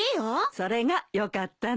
それがよかったの。